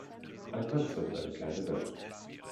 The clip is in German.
Ein Mann surft eine kleine Welle